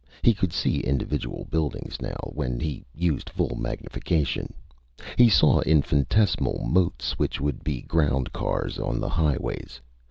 He could see individual buildings now, when he used full magnification. He saw infinitesimal motes which would be ground cars on the highways.